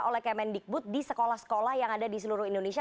oleh kemendikbud di sekolah sekolah yang ada di seluruh indonesia